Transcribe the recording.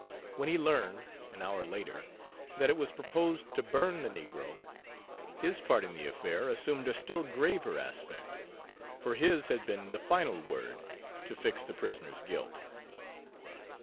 When he learned, an hour later, that it was proposed to burn the negro, his part in the affair assumed a still graver aspect; for his had been the final word to fix the prisoner's guilt.